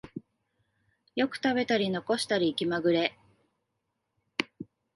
よく食べたり残したり気まぐれ